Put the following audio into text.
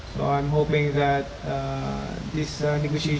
saya harap pembentangan ini di bali